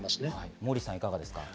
モーリーさん、いかがですか？